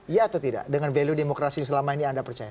iya atau tidak dengan value demokrasi yang selama ini anda percaya